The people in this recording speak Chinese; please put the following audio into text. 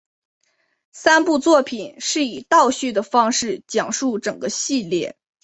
三部作品是以倒叙的方式讲述整个系列。